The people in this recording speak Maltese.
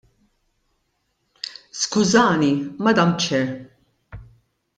Skużani, Madam Chair.